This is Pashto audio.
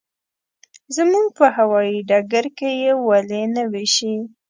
زموږ په هوايي ډګر کې یې ولې نه وېشي.